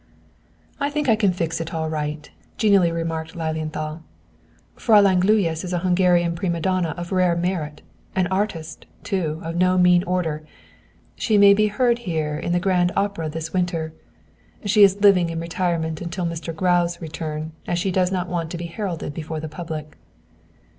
"I think I can fix it all right," genially remarked Lilienthal. "Fräulein Gluyas is a Hungarian prima donna of rare merit, an artist, too, of no mean order. She may be heard here in grand opera this winter. She is living in retirement until Mr. Grau's return, as she does not want to be heralded before the public."